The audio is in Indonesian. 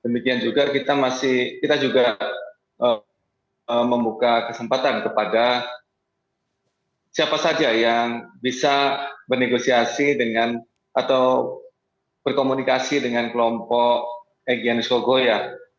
demikian juga kita masih kita juga membuka kesempatan kepada siapa saja yang bisa bernegosiasi dengan atau berkomunikasi dengan kelompok egyanus kogoya